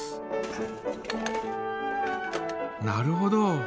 なるほど。